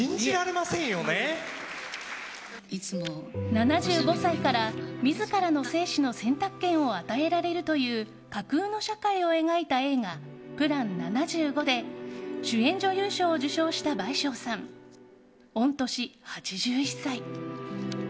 ７５歳から自らの生死の選択権を与えられるという架空の社会を描いた映画「ＰＬＡＮ７５」で主演女優賞を受賞した倍賞さん、御年８１歳。